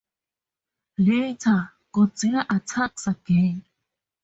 Later, Godzilla attacks again.